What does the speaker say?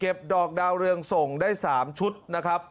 ดอกดาวเรืองส่งได้๓ชุดนะครับ